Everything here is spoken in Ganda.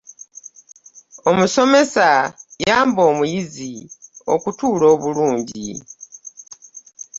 Omusomesa yamba omuyizi okutuula obulungi.